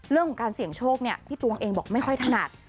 เรื่องของการเสี่ยงโชคเนี่ยพี่ตวงเองบอกไม่ค่อยถนัด